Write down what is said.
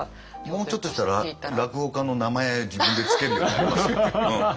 もうちょっとしたら落語家の名前自分で付けるようになりますよ。